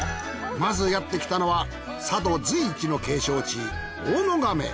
まずやってきたのは佐渡随一の景勝地大野亀。